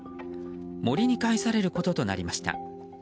森に返されることとなりました。